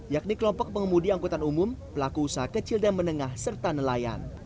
yakni kelompok pengemudi angkutan umum pelaku usaha kecil dan menengah serta nelayan